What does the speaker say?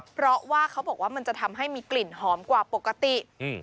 เพราะว่าเขาบอกว่ามันจะทำให้มีกลิ่นหอมกว่าปกติ